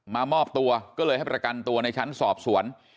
มามอบตัวก็เลยให้ประกันตัวในชั้นสอบสวน